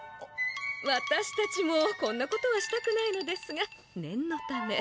わたしたちもこんなことはしたくないのですがねんのため。